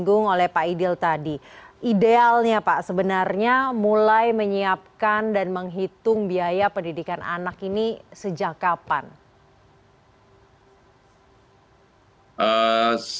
dinggung oleh pak idil tadi idealnya pak sebenarnya mulai menyiapkan dan menghitung biaya pendidikan anak ini sejak kapan